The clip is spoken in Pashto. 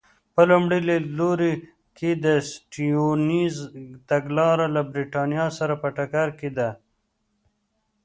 په لومړي لیدلوري کې د سټیونز تګلاره له برېټانیا سره په ټکر کې ده.